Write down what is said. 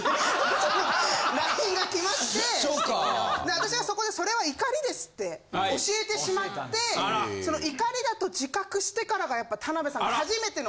私がそこで「それは怒りです」って教えてしまって怒りだと自覚してからがやっぱ田辺さん初めての。